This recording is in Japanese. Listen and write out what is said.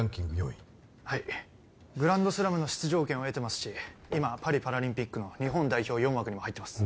４位はいグランドスラムの出場権を得てますし今パリパラリンピックの日本代表４枠にも入ってます